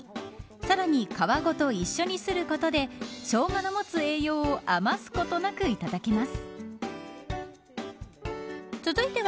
さらに皮ごと一緒にすることでしょうがの持つ栄養を余すことなくいただきます。